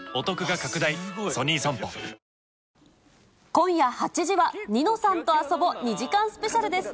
今夜８時は、ニノさんとあそぼ２時間スペシャルです。